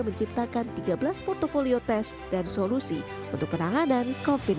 menciptakan tiga belas portfolio tes dan solusi untuk penanganan covid sembilan belas